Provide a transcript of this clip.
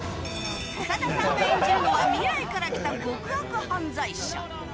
長田さんが演じるのは未来から来た極悪犯罪者。